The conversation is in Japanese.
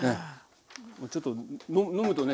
ちょっと飲むとね